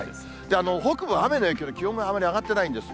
北部は雨の影響で気温があまり上がってないんです。